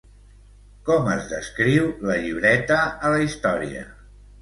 Com es descriu la llibreta a la història?